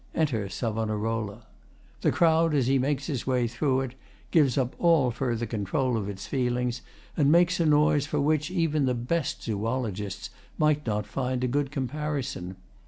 Enter SAVONAROLA. The crowd, as he makes his way through it, gives up all further control of its feelings, and makes a noise for which even the best zoologists might not find a good comparison.